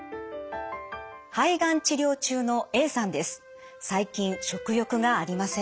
肺がん治療中のＡさんです。